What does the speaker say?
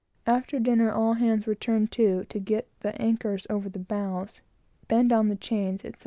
After dinner, all hands were turned to, to get the anchors over the bows, bend on the chains, etc.